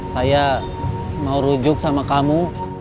saya mau rujuk sama kamu